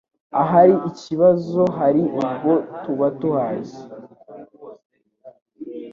Ahari ikibazo hari ubwo tuba tuhazi,